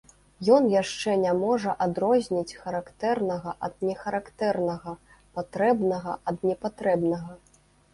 Ён яшчэ не можа адрозніць характэрнага ад нехарактэрнага, патрэбнага ад непатрэбнага.